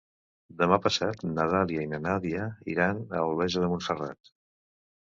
Demà passat na Dàlia i na Nàdia iran a Olesa de Montserrat.